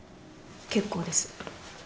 結構です。